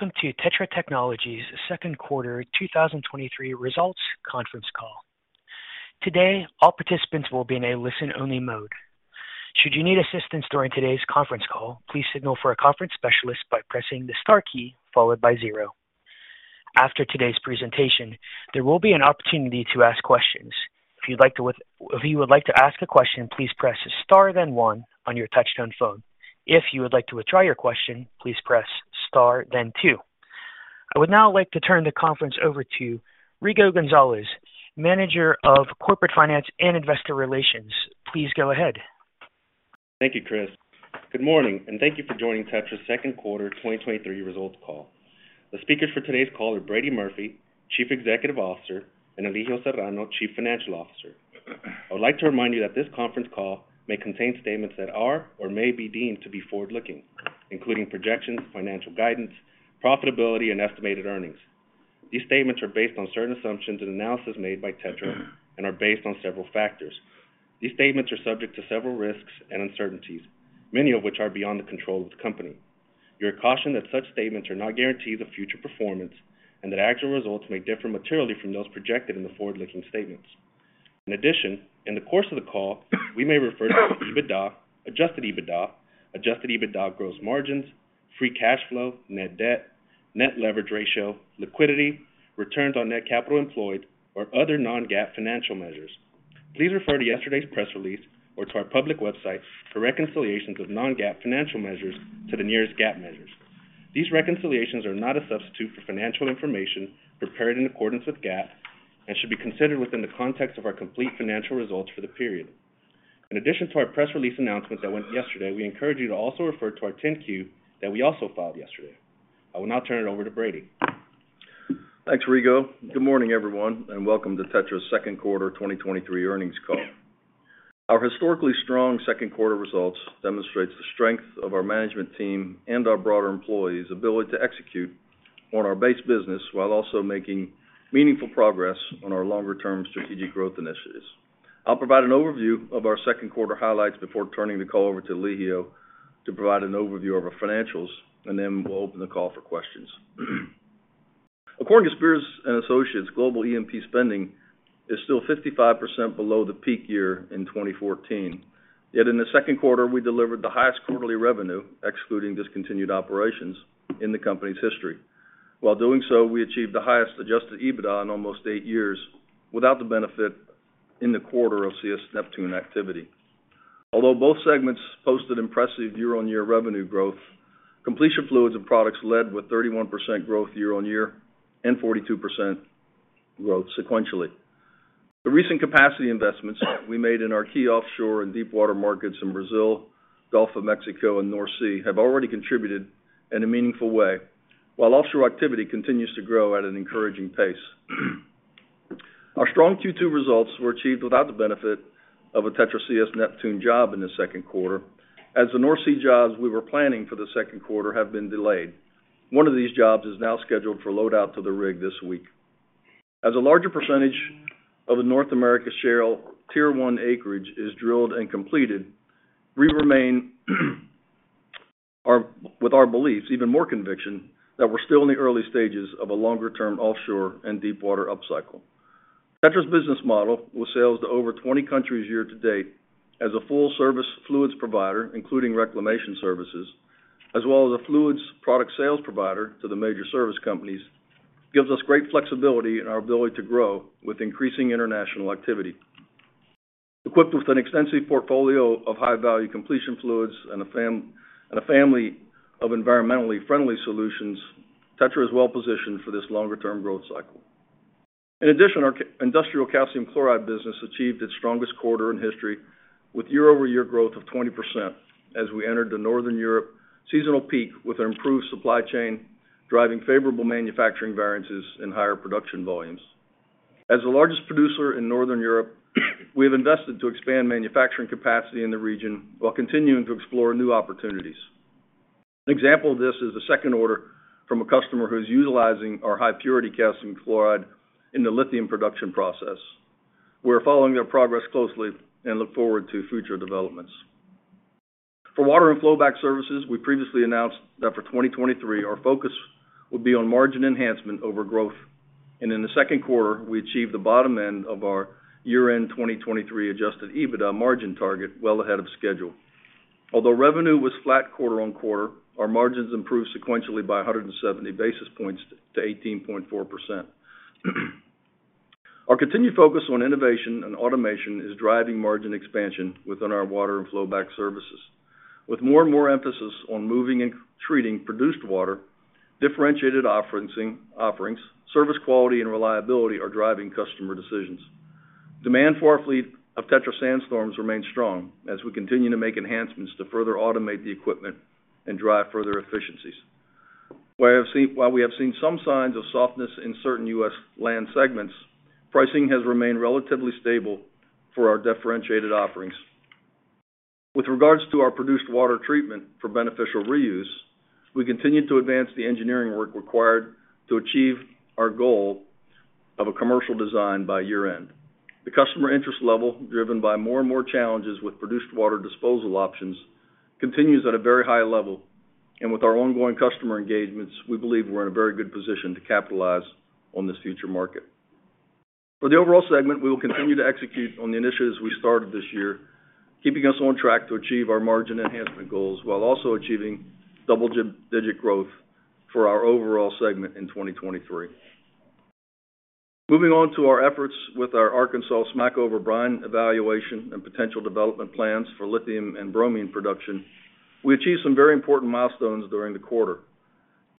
Welcome to TETRA Technologies' second quarter 2023 results conference call. Today, all participants will be in a listen-only mode. Should you need assistance during today's conference call, please signal for a conference specialist by pressing the star key followed by zero. After today's presentation, there will be an opportunity to ask questions. If you would like to ask a question, please press star, then one on your touchtone phone. If you would like to withdraw your question, please press star, then two. I would now like to turn the conference over to Rigo Gonzalez, Manager of Corporate Finance and Investor Relations. Please go ahead. Thank you, Chris. Good morning, and thank you for joining TETRA's second quarter 2023 results call. The speakers for today's call are Brady Murphy, Chief Executive Officer, and Elijio Serrano, Chief Financial Officer. I would like to remind you that this conference call may contain statements that are or may be deemed to be forward-looking, including projections, financial guidance, profitability, and estimated earnings. These statements are based on certain assumptions and analyses made by TETRA and are based on several factors. These statements are subject to several risks and uncertainties, many of which are beyond the control of the company. You are cautioned that such statements are not guarantees of future performance and that actual results may differ materially from those projected in the forward-looking statements. In addition, in the course of the call, we may refer to EBITDA, adjusted EBITDA, adjusted EBITDA gross margins, free cash flow, net debt, net leverage ratio, liquidity, returns on net capital employed, or other non-GAAP financial measures. Please refer to yesterday's press release or to our public website for reconciliations of non-GAAP financial measures to the nearest GAAP measures. These reconciliations are not a substitute for financial information prepared in accordance with GAAP and should be considered within the context of our complete financial results for the period. In addition to our press release announcements that went yesterday, we encourage you to also refer to our 10-Q that we also filed yesterday. I will now turn it over to Brady. Thanks, Rigo. Good morning, everyone, and welcome to TETRA's second quarter 2023 earnings call. Our historically strong second quarter results demonstrates the strength of our management team and our broader employees' ability to execute on our base business while also making meaningful progress on our longer-term strategic growth initiatives. I'll provide an overview of our second quarter highlights before turning the call over to Elijio to provide an overview of our financials, and then we'll open the call for questions. According to Spears & Associates, global E&P spending is still 55% below the peak year in 2014. Yet in the second quarter, we delivered the highest quarterly revenue, excluding discontinued operations, in the company's history. While doing so, we achieved the highest adjusted EBITDA in almost eight years without the benefit in the quarter of CS Neptune activity. Although both segments posted impressive year-on-year revenue growth, completion fluids and products led with 31% growth year-on-year and 42% growth sequentially. The recent capacity investments we made in our key offshore and deepwater markets in Brazil, Gulf of Mexico, and North Sea have already contributed in a meaningful way, while offshore activity continues to grow at an encouraging pace. Our strong Q2 results were achieved without the benefit of a TETRA CS Neptune job in the second quarter, as the North Sea jobs we were planning for the second quarter have been delayed. One of these jobs is now scheduled for load-out to the rig this week. As a larger percentage of the North America shale Tier 1 acreage is drilled and completed, we remain with our beliefs, even more conviction, that we're still in the early stages of a longer-term offshore and deepwater upcycle. TETRA's business model, with sales to over 20 countries year to date as a full service fluids provider, including reclamation services, as well as a fluids product sales provider to the major service companies, gives us great flexibility in our ability to grow with increasing international activity. Equipped with an extensive portfolio of high-value completion fluids and a family of environmentally friendly solutions, TETRA is well-positioned for this longer-term growth cycle. In addition, our industrial calcium chloride business achieved its strongest quarter in history with year-over-year growth of 20% as we entered the Northern Europe seasonal peak with an improved supply chain, driving favorable manufacturing variances and higher production volumes. As the largest producer in Northern Europe, we have invested to expand manufacturing capacity in the region while continuing to explore new opportunities. An example of this is a second order from a customer who is utilizing our high purity calcium chloride in the lithium production process. We're following their progress closely and look forward to future developments. For water and flowback services, we previously announced that for 2023, our focus would be on margin enhancement over growth, and in the second quarter, we achieved the bottom end of our year-end 2023 adjusted EBITDA margin target well ahead of schedule. Although revenue was flat quarter-on-quarter, our margins improved sequentially by 170 basis points to 18.4%. Our continued focus on innovation and automation is driving margin expansion within our water and flowback services. With more and more emphasis on moving and treating produced water, differentiated offerings, service quality and reliability are driving customer decisions. Demand for our fleet of TETRA SandStorm remains strong as we continue to make enhancements to further automate the equipment and drive further efficiencies. While we have seen some signs of softness in certain U.S. land segments, pricing has remained relatively stable for our differentiated offerings. With regards to our produced water treatment for beneficial reuse, we continue to advance the engineering work required to achieve our goal of a commercial design by year-end. The customer interest level, driven by more and more challenges with produced water disposal options, continues at a very high level. With our ongoing customer engagements, we believe we're in a very good position to capitalize on this future market. For the overall segment, we will continue to execute on the initiatives we started this year, keeping us on track to achieve our margin enhancement goals, while also achieving double digit growth for our overall segment in 2023. Moving on to our efforts with our Arkansas Smackover Brine evaluation and potential development plans for lithium and bromine production, we achieved some very important milestones during the quarter.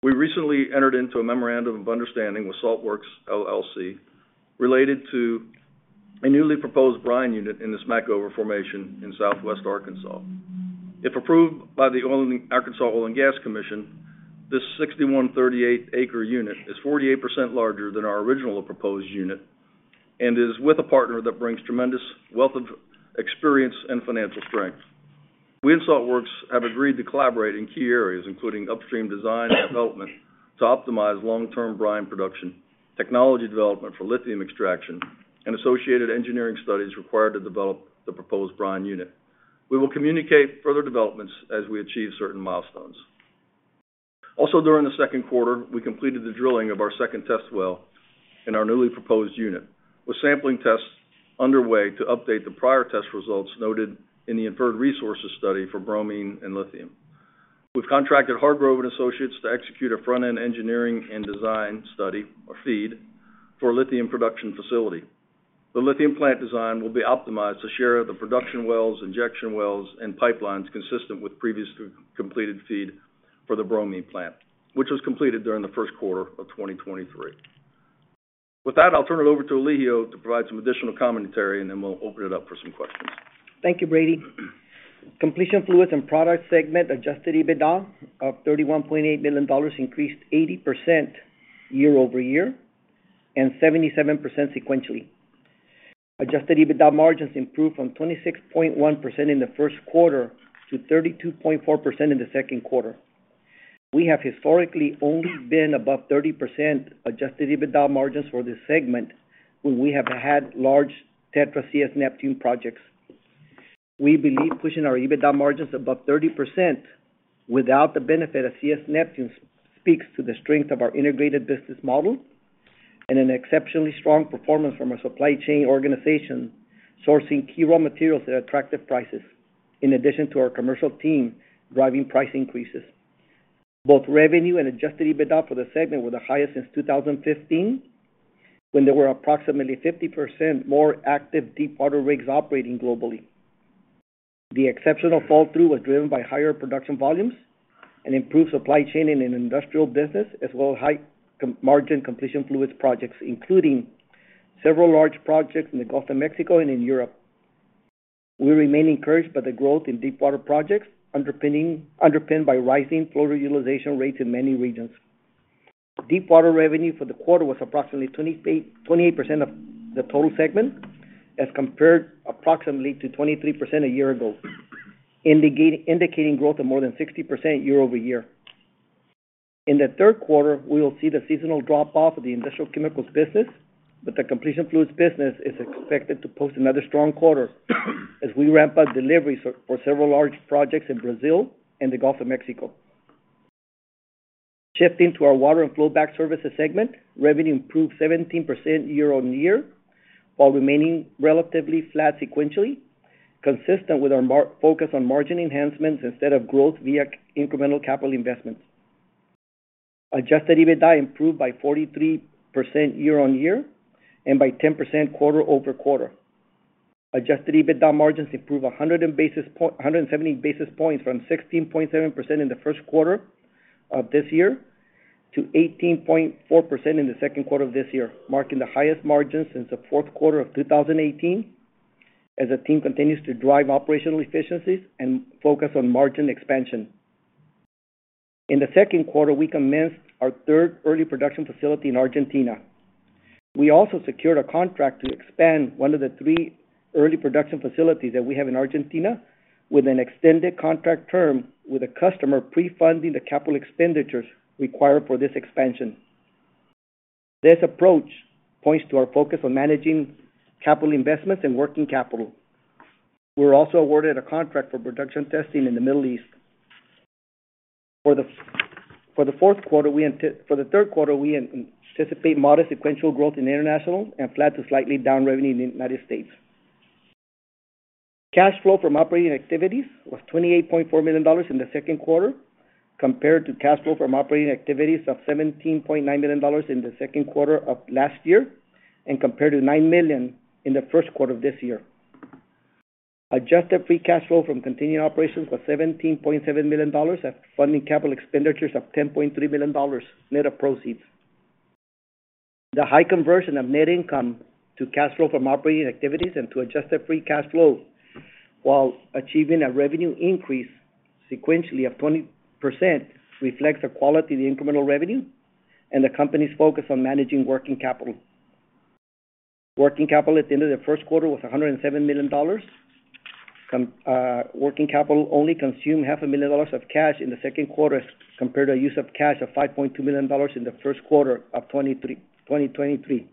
We recently entered into a memorandum of understanding with Saltwerx LLC, related to a newly proposed brine unit in the Smackover formation in Southwest Arkansas. If approved by the Arkansas Oil and Gas Commission, this 6,138 acre unit is 48% larger than our original proposed unit, and is with a partner that brings tremendous wealth of experience and financial strength. We and Saltwerx have agreed to collaborate in key areas, including upstream design and development, to optimize long-term brine production, technology development for lithium extraction, and associated engineering studies required to develop the proposed brine unit. We will communicate further developments as we achieve certain milestones. Also, during the second quarter, we completed the drilling of our second test well in our newly proposed unit, with sampling tests underway to update the prior test results noted in the inferred resources study for bromine and lithium. We've contracted Hargrove & Associates to execute a front-end engineering and design study, or FEED, for a lithium production facility. The lithium plant design will be optimized to share the production wells, injection wells, and pipelines consistent with previously completed FEED for the bromine plant, which was completed during the first quarter of 2023. With that, I'll turn it over to Elijio to provide some additional commentary, and then we'll open it up for some questions. Thank you, Brady. Completion Fluids and Products segment adjusted EBITDA of $31.8 million increased 80% year-over-year and 77% sequentially. Adjusted EBITDA margins improved from 26.1% in the 1st quarter to 32.4% in the second quarter. We have historically only been above 30% adjusted EBITDA margins for this segment when we have had large TETRA CS Neptune projects. We believe pushing our EBITDA margins above 30% without the benefit of CS Neptune speaks to the strength of our integrated business model and an exceptionally strong performance from our supply chain organization, sourcing key raw materials at attractive prices, in addition to our commercial team, driving price increases. Both revenue and adjusted EBITDA for the segment were the highest since 2015, when there were approximately 50% more active deepwater rigs operating globally. The exceptional fall through was driven by higher production volumes and improved supply chain in an industrial business, as well as high margin completion fluids projects, including several large projects in the Gulf of Mexico and in Europe. We remain encouraged by the growth in deepwater projects, underpinned by rising flow utilization rates in many regions. Deepwater revenue for the quarter was approximately 28% of the total segment, as compared approximately to 23% a year ago, indicating growth of more than 60% year-over-year. In the third quarter, we will see the seasonal drop-off of the industrial chemicals business, the completion fluids business is expected to post another strong quarter as we ramp up deliveries for several large projects in Brazil and the Gulf of Mexico. Shifting to our water and flowback services segment, revenue improved 17% year-on-year, while remaining relatively flat sequentially, consistent with our focus on margin enhancements instead of growth via incremental capital investments. Adjusted EBITDA improved by 43% year-on-year and by 10% quarter-over-quarter. Adjusted EBITDA margins improved 170 basis points from 16.7% in the first quarter of this year to 18.4% in the second quarter of this year, marking the highest margins since the fourth quarter of 2018, as the team continues to drive operational efficiencies and focus on margin expansion. In the second quarter, we commenced our third Early Production Facility in Argentina. We also secured a contract to expand one of the three Early Production Facilities that we have in Argentina, with an extended contract term, with a customer pre-funding the capital expenditures required for this expansion. This approach points to our focus on managing capital investments and working capital. We were also awarded a contract for production testing in the Middle East. For the, for the fourth quarter, we for the third quarter, we anticipate modest sequential growth in international and flat to slightly down revenue in the United States. Cash flow from operating activities was $28.4 million in the second quarter, compared to cash flow from operating activities of $17.9 million in the second quarter of last year, and compared to $9 million in the first quarter of this year. Adjusted free cash flow from continuing operations was $17.7 million, after funding capital expenditures of $10.3 million, net of proceeds. The high conversion of net income to cash flow from operating activities and to adjusted free cash flow, while achieving a revenue increase sequentially of 20%, reflects the quality of the incremental revenue and the company's focus on managing working capital. Working capital at the end of the first quarter was $107 million. Working capital only consumed $500,000 of cash in the second quarter, compared to use of cash of $5.2 million in the first quarter of 2023.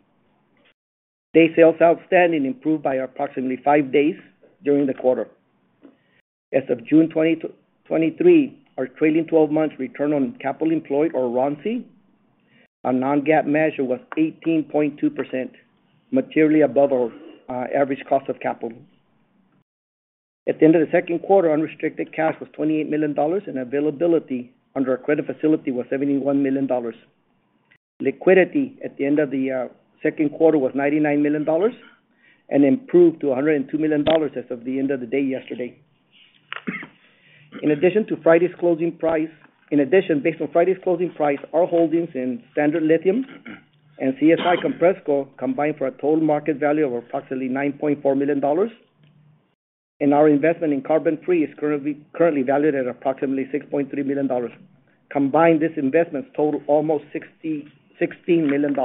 Day sales outstanding improved by approximately five days during the quarter. As of June 2023, our trailing twelve months return on capital employed, or ROCE, a non-GAAP measure, was 18.2%, materially above our average cost of capital. At the end of the second quarter, unrestricted cash was $28 million, and availability under our credit facility was $71 million. Liquidity at the end of the second quarter was $99 million and improved to $102 million as of the end of the day yesterday. Based on Friday's closing price, our holdings in Standard Lithium and CSI Compressco combine for a total market value of approximately $9.4 million. Our investment in CarbonFree is currently valued at approximately $6.3 million. Combined, these investments total almost $16 million.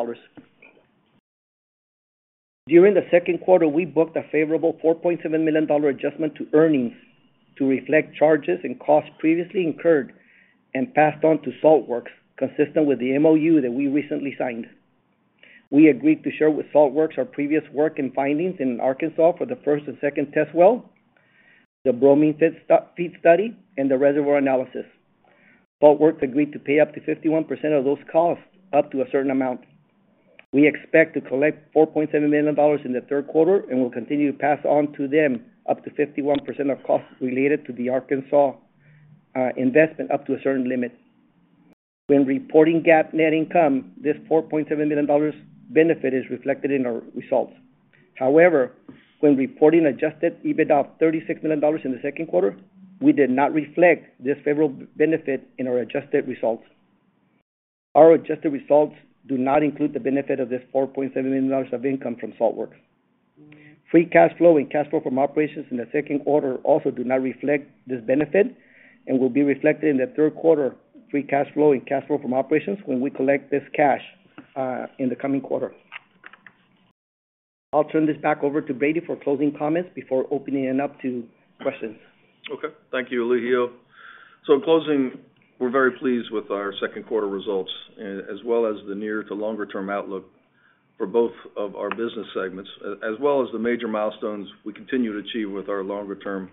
During the second quarter, we booked a favorable $4.7 million adjustment to earnings to reflect charges and costs previously incurred and passed on to Saltwerx, consistent with the MOU that we recently signed. We agreed to share with Saltwerx our previous work and findings in Arkansas for the first and second test well, the bromine feed study, and the reservoir analysis. Saltwerx agreed to pay up to 51% of those costs, up to a certain amount. We expect to collect $4.7 million in the third quarter, and we'll continue to pass on to them up to 51% of costs related to the Arkansas investment, up to a certain limit. When reporting GAAP net income, this $4.7 million benefit is reflected in our results. However, when reporting adjusted EBITDA of $36 million in the second quarter, we did not reflect this favorable benefit in our adjusted results. Our adjusted results do not include the benefit of this $4.7 million of income from Saltwerx. Free cash flow and cash flow from operations in the second quarter also do not reflect this benefit and will be reflected in the third quarter free cash flow and cash flow from operations when we collect this cash in the coming quarter. I'll turn this back over to Brady for closing comments before opening it up to questions. Okay. Thank you, Elijio. In closing, we're very pleased with our second quarter results, as well as the near to longer term outlook for both of our business segments, as well as the major milestones we continue to achieve with our longer term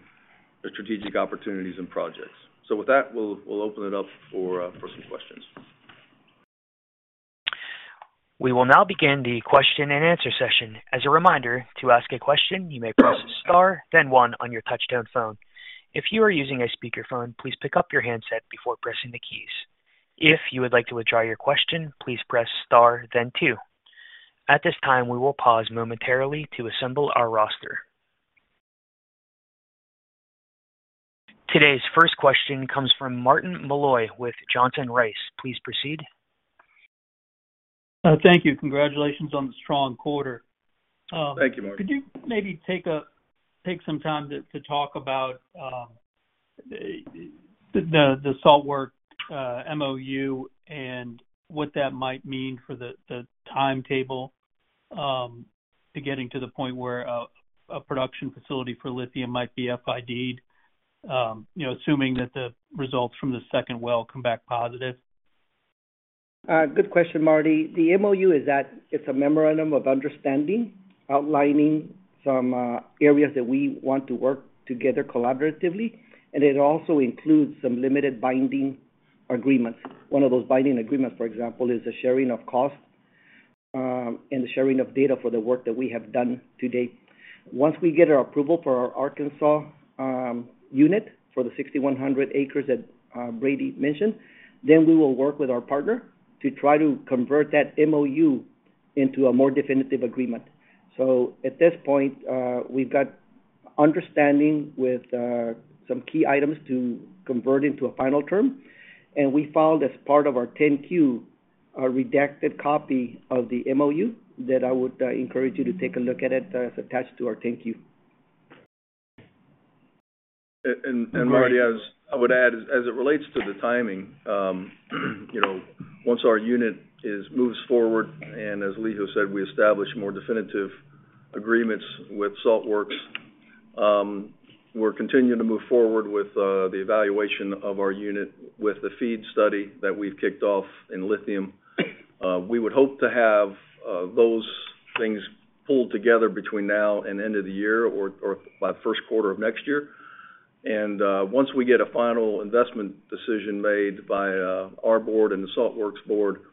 strategic opportunities and projects. With that, we'll, we'll open it up for some questions. We will now begin the question and answer session. As a reminder, to ask a question, you may press star, then one on your touchdown phone. If you are using a speakerphone, please pick up your handset before pressing the keys. If you would like to withdraw your question, please press star then two. At this time, we will pause momentarily to assemble our roster. Today's first question comes from Martin Malloy with Johnson Rice. Please proceed. Thank you. Congratulations on the strong quarter. Thank you, Martin. Could you maybe take a, take some time to, to talk about the Saltwerx MOU and what that might mean for the timetable to getting to the point where a production facility for lithium might be FID-ed? You know, assuming that the results from the second well come back positive. Good question, Marty. The MOU is that it's a memorandum of understanding, outlining some areas that we want to work together collaboratively, and it also includes some limited binding agreements. One of those binding agreements, for example, is the sharing of costs, and the sharing of data for the work that we have done to date. Once we get our approval for our Arkansas unit, for the 6,100 acres that Brady mentioned, then we will work with our partner to try to convert that MOU into a more definitive agreement. At this point, we've got understanding with some key items to convert into a final term, and we filed, as part of our 10-Q, a redacted copy of the MOU that I would encourage you to take a look at it. It's attached to our 10-Q. Marty, as I would add, as it relates to the timing, you know, once our unit is, moves forward, and as Elijio said, we establish more definitive agreements with Saltwerx, we're continuing to move forward with the evaluation of our unit with the FEED study that we've kicked off in lithium. We would hope to have those things pulled together between now and end of the year or by the first quarter of next year. Once we get a final investment decision made by our board and the Saltwerx board, we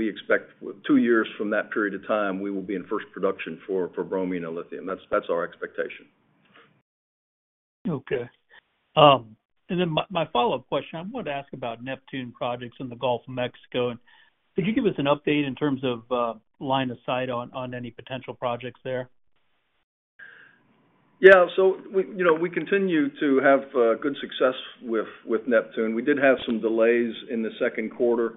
expect 2 years from that period of time, we will be in first production for bromine and lithium. That's, that's our expectation. Okay. Then my, my follow-up question, I want to ask about Neptune projects in the Gulf of Mexico. Could you give us an update in terms of line of sight on, on any potential projects there? Yeah. We, you know, we continue to have good success with Neptune. We did have some delays in the second quarter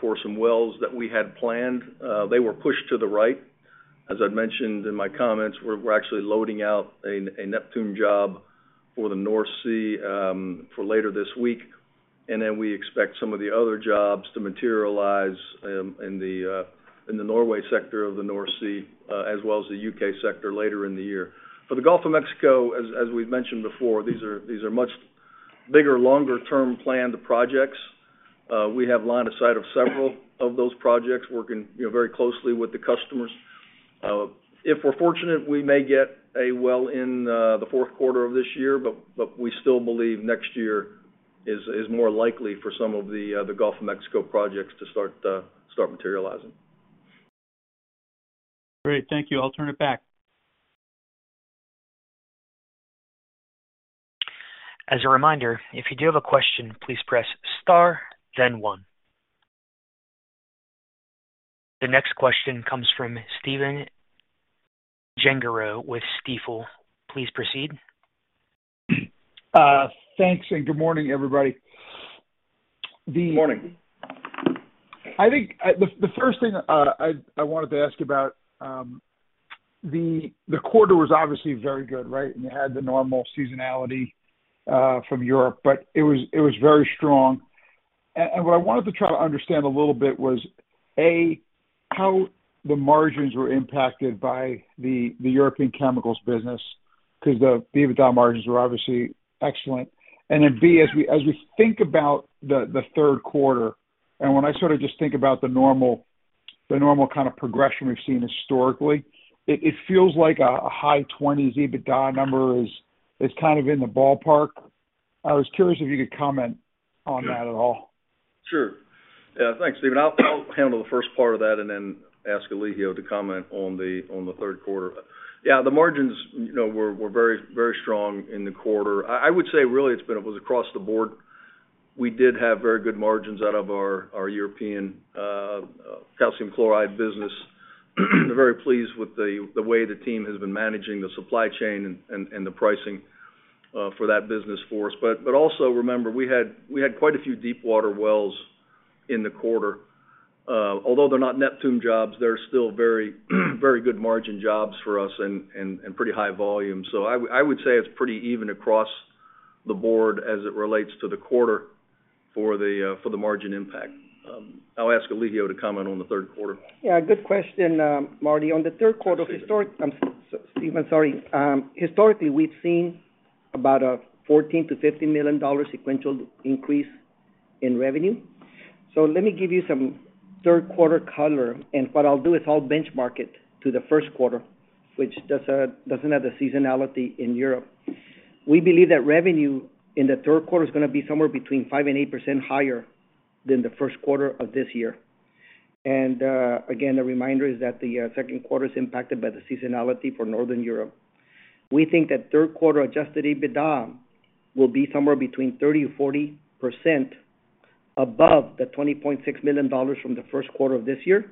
for some wells that we had planned. They were pushed to the right. As I've mentioned in my comments, we're actually loading out a Neptune job for the North Sea for later this week, and then we expect some of the other jobs to materialize in the Norway sector of the North Sea, as well as the UK sector later in the year. For the Gulf of Mexico, as we've mentioned before, these are much bigger, longer term planned projects. We have line of sight of several of those projects, working, you know, very closely with the customers. If we're fortunate, we may get a well in the 4th quarter of this year, but, but we still believe next year is, is more likely for some of the Gulf of Mexico projects to start, start materializing. Great. Thank you. I'll turn it back. As a reminder, if you do have a question, please press star, then one. The next question comes from Stephen Gengaro with Stifel. Please proceed. Thanks, good morning, everybody. Good morning. I think the first thing I wanted to ask about, the quarter was obviously very good, right? You had the normal seasonality from Europe, but it was very strong. What I wanted to try to understand a little bit was, A, how the margins were impacted by the European chemicals business, because the EBITDA margins were obviously excellent. Then, B, as we think about the third quarter, and when I sort of just think about the normal, the normal kind of progression we've seen historically, it feels like a high 20s EBITDA number is kind of in the ballpark. I was curious if you could comment on that at all. Sure. Yeah, thanks, Stephen. I'll handle the first part of that and then ask Elijio to comment on the third quarter. Yeah, the margins, you know, were very, very strong in the quarter. I, I would say, really, it was across the board. We did have very good margins out of our European calcium chloride business. We're very pleased with the way the team has been managing the supply chain and the pricing for that business for us. Also remember, we had quite a few deepwater wells in the quarter. Although they're not Neptune jobs, they're still very, very good margin jobs for us and pretty high volume. I would, I would say it's pretty even across the board as it relates to the quarter for the, for the margin impact. I'll ask Aligo to comment on the third quarter. Yeah, good question, Marty. On the third quarter, Stephen, sorry. Historically, we've seen about a $14 million-$50 million sequential increase in revenue. Let me give you some third quarter color, and what I'll do is I'll benchmark it to the first quarter, which does, doesn't have the seasonality in Europe. We believe that revenue in the third quarter is gonna be somewhere between 5%-8% higher than the first quarter of this year. Again, a reminder is that the second quarter is impacted by the seasonality for Northern Europe. We think that third quarter adjusted EBITDA will be somewhere between 30%-40% above the $20.6 million from the first quarter of this year.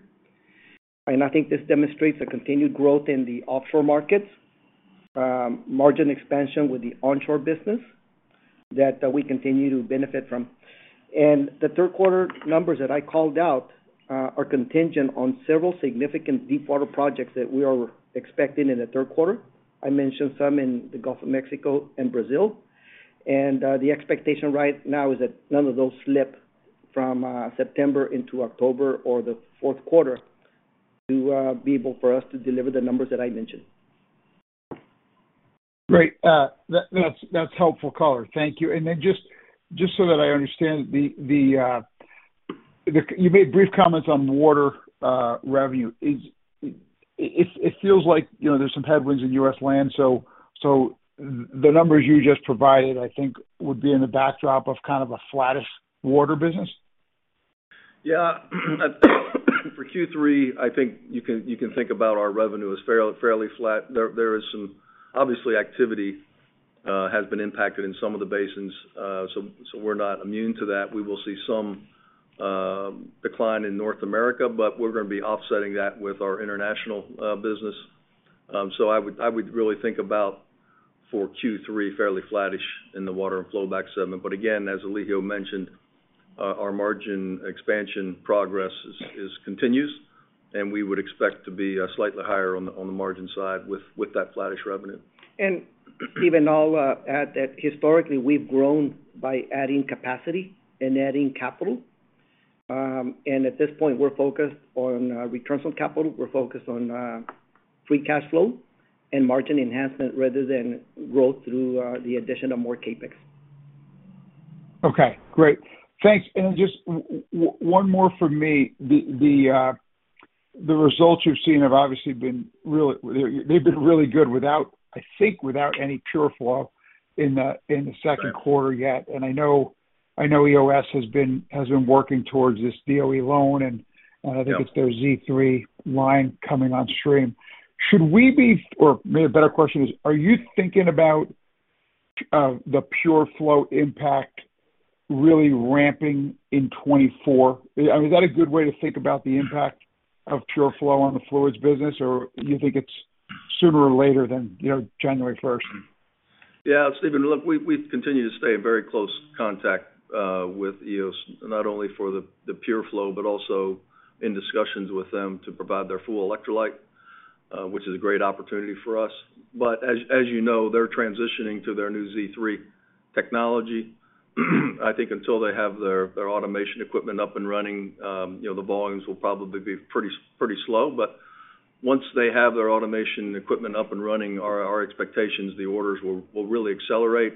I think this demonstrates a continued growth in the offshore markets, margin expansion with the onshore business that we continue to benefit from. The third quarter numbers that I called out are contingent on several significant deepwater projects that we are expecting in the third quarter. I mentioned some in the Gulf of Mexico and Brazil. The expectation right now is that none of those slip from September into October or the fourth quarter to be able for us to deliver the numbers that I mentioned. Great. That's, that's helpful color. Thank you. Just, just so that I understand the, the, the... You made brief comments on water, revenue. It, it feels like, you know, there's some headwinds in U.S. land, so, so the numbers you just provided, I think, would be in the backdrop of kind of a flattish water business. Yeah. For Q3, I think you can, you can think about our revenue as fairly, fairly flat. There, there is some, obviously, activity has been impacted in some of the basins, we're not immune to that. We will see some decline in North America, but we're gonna be offsetting that with our international business. I would, I would really think about for Q3, fairly flattish in the water and flowback segment. Again, as Aligo mentioned, our margin expansion progress is, is continues, and we would expect to be slightly higher on the margin side with that flattish revenue. Even I'll add that historically, we've grown by adding capacity and adding capital. At this point, we're focused on returns on capital. We're focused on free cash flow and margin enhancement rather than grow through the addition of more CapEx. Okay, great. Thanks. Just one more for me. The, the results you've seen have obviously been really good without, I think, without any PureFlow in the, in the second quarter yet. Sure. I know, I know EOS has been, has been working towards this DOE loan. Yep I think it's their Z3 line coming on stream. Should we or maybe a better question is, are you thinking about the PureFlow impact really ramping in 2024? I mean, is that a good way to think about the impact of PureFlow on the fluids business, or you think it's sooner or later than, you know, January first? Yeah, Stephen, look, we continue to stay in very close contact with EOS, not only for the PureFlow, but also in discussions with them to provide their full electrolyte, which is a great opportunity for us. As you know, they're transitioning to their new Z3 technology. I think until they have their automation equipment up and running, you know, the volumes will probably be pretty, pretty slow. Once they have their automation equipment up and running, our expectations, the orders will really accelerate.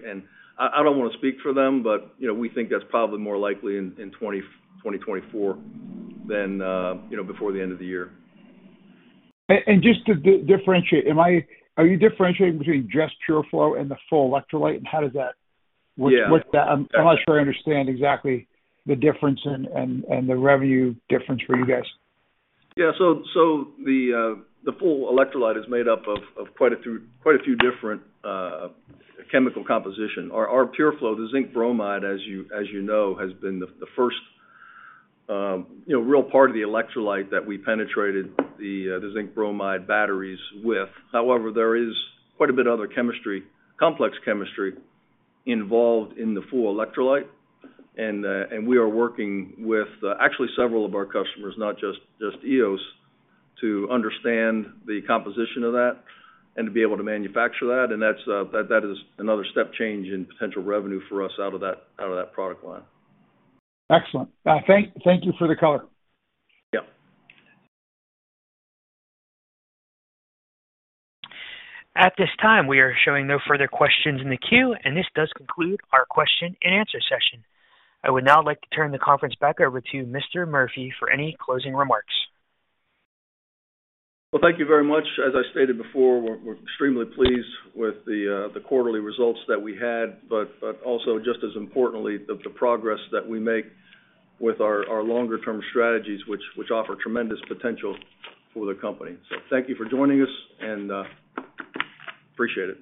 I don't want to speak for them, but, you know, we think that's probably more likely in 2024 than, you know, before the end of the year. Just to differentiate, are you differentiating between just PureFlow and the full electrolyte, and how does that- Yeah. What's that? I'm not sure I understand exactly the difference and the revenue difference for you guys. Yeah. The full electrolyte is made up of, of quite a few, quite a few different chemical composition. Our Pureflow, the zinc bromide, as you, as you know, has been the, the first, you know, real part of the electrolyte that we penetrated the, the zinc bromide batteries with. However, there is quite a bit other chemistry, complex chemistry involved in the full electrolyte. We are working with, actually several of our customers, not just, just EOS, to understand the composition of that and to be able to manufacture that. That's, that, that is another step change in potential revenue for us out of that, out of that product line. Excellent. Thank you for the color. Yeah. At this time, we are showing no further questions in the queue, and this does conclude our question-and-answer session. I would now like to turn the conference back over to Mr. Murphy for any closing remarks. Well, thank you very much. As I stated before, we're extremely pleased with the quarterly results that we had, but also, just as importantly, the progress that we make with our longer-term strategies, which offer tremendous potential for the company. Thank you for joining us, and appreciate it.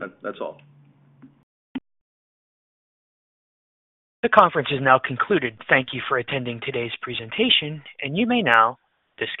That's all. The conference is now concluded. Thank you for attending today's presentation, and you may now disconnect.